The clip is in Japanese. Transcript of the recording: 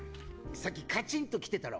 さっきカチンときてたろ？